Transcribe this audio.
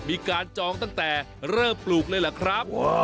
มีการจองตั้งแต่เริ่มปลูกเลยล่ะครับ